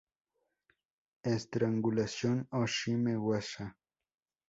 Estrangulación o "shime-waza".